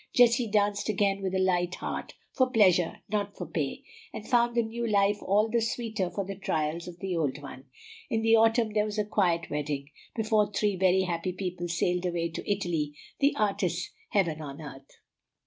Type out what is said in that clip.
Jessie danced again with a light heart, for pleasure, not for pay, and found the new life all the sweeter for the trials of the old one. In the autumn there was a quiet wedding, before three very happy people sailed away to Italy, the artist's heaven on earth.